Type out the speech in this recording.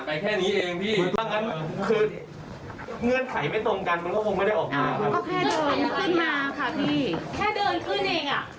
ก็แค่เดินขึ้นมาค่ะพี่